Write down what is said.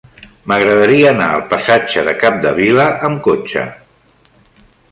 M'agradaria anar al passatge de Capdevila amb cotxe.